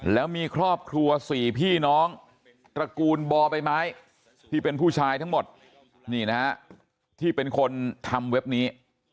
แล้วมีครอบครัว๔พี่น้องตระกูลบ่อใบไม้ที่เป็นผู้ชายทั้งหมดนี่นะฮะที่เป็นคนทำเว็บนี้